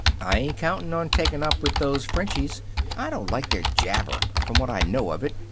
I ain't counting on taking up with those Frenchies. I don't like their jabber, from what I know of it.